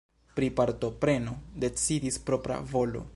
Pri partopreno decidis propra volo.